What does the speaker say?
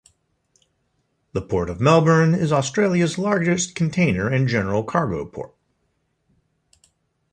The Port of Melbourne is Australia's largest container and general cargo port.